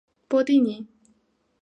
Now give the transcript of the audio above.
波蒂尼。